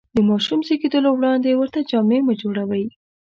د ماشوم زېږېدلو وړاندې ورته جامې مه جوړوئ.